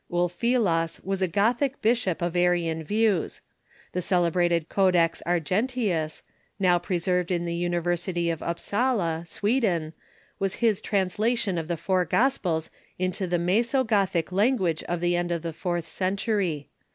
Ulfilas was a Gothic bishop of Arian views. The celebrated Codex Argenteus, now pre served in the University of Upsala, Sweden, was his transla tion of the four Gospels into the Mreso Gothic language of the end of the fourth century.